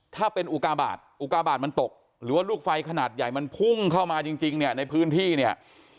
ถ้าเป็นอุกาบาทอุกาบาทมันตกหรือว่าลูกไฟขนาดใหญ่มันพุ่งเข้ามาจริงเนี่ยในพื้นที่เนี่ย